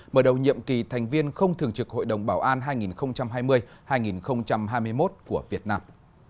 mở đầu nhiệm kỳ thành viên không thường trực hội đồng bảo an hai nghìn hai mươi hai nghìn hai mươi một của việt nam